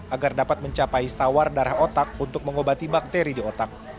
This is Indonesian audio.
agar dapat mencapai sawar darah otak untuk mengobati bakteri di otak